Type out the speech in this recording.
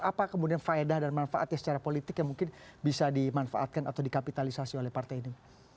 apa kemudian faedah dan manfaatnya secara politik yang mungkin bisa dimanfaatkan atau dikapitalisasi oleh partai ini